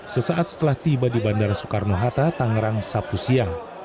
sesaat setelah tiba di bandara soekarno hatta tangerang sabtu siang